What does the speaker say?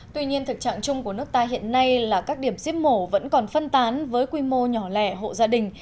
tuy nhiên thực trạng chung của nước ta hiện nay là các điểm giết mổ vẫn còn phân tán với quy mô nhỏ lẻ hộ gia đình